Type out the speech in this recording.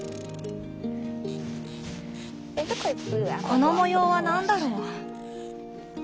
この模様は何だろう？